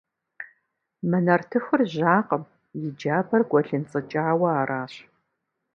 Мы нартыхур жьакъым, и джабэр гуэлынцӏыкӏауэ аращ.